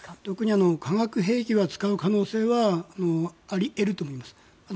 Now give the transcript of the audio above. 特に化学兵器は使う可能性があり得ると思います。